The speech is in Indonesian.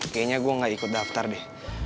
kayaknya gue gak ikut daftar deh